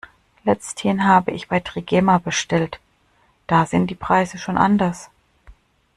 Letzthin habe ich bei Trigema bestellt, da sind die Preise schon anders.